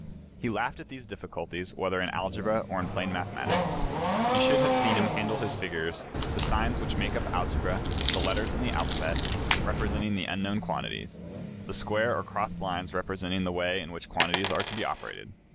He laughed at these difficulties whether in algebra or in plain mathematics. You should have seen him handle his figures, the signs which make up algebra, the letters in the alphabet, representing the unknown quantities, the square or crossed lines representing the way in which quantities are to be operated.